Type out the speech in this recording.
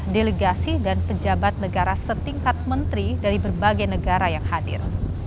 delegasi dan pejabat negara setingkat menteri dari berbagai negara yang hadir